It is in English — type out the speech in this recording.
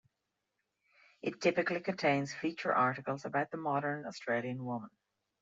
It typically contains feature articles about the modern Australian woman.